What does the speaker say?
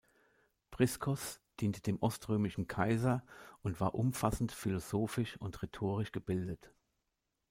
Priskos diente dem oströmischen Kaiser und war umfassend philosophisch und rhetorisch gebildet.